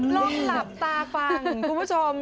ลองหลับตาฟังคุณผู้ชม